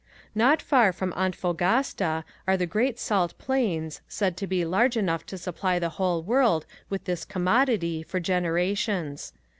Not far from Antofagasta are the great salt plains, said to be large enough to supply the whole world with this commodity for generations.